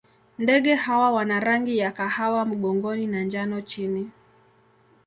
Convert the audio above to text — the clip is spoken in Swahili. Ndege hawa wana rangi ya kahawa mgongoni na njano chini.